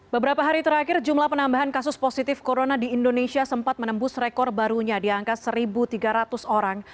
beberapa hari terakhir jumlah penambahan kasus positif corona di indonesia sempat menembus rekor barunya di angka satu tiga ratus orang